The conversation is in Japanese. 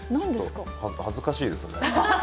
恥ずかしいですね。